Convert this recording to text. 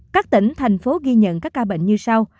các tỉnh thành phố ghi nhận các ca bệnh như sau